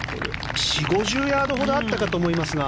４０５０ヤードほどあったかと思いますが。